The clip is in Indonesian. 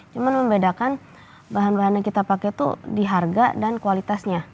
cuma membedakan bahan bahannya kita pakai tuh di harga dan kualitasnya